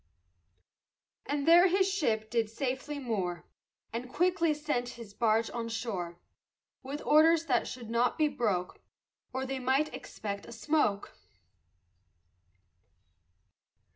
And there his ship did safely moor, And quickly sent his barge on shore, With orders that should not be broke, Or they might expect a smoke.